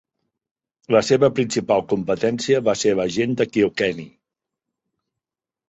La seva principal competència va ser la "Gent de Kilkenny".